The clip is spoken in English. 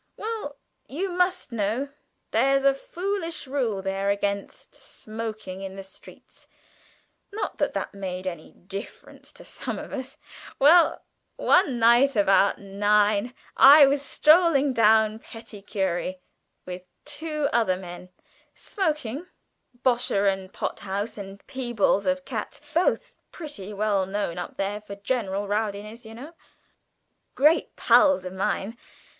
Well, you must know there's a foolish rule there against smoking in the streets. Not that that made any difference to some of us! Well, one night about nine, I was strolling down Petty Cury with two other men, smoking (Bosher of "Pothouse," and Peebles of "Cats," both pretty well known up there for general rowdiness, you know great pals of mine!)